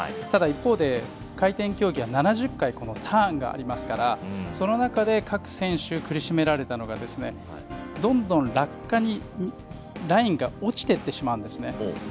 ただ一方で回転競技は７０回ターンがありますからその中で各選手苦しめられたのがどんどん落下にラインが落ちていってしまうんですね。